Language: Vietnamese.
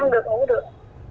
ăn được uống được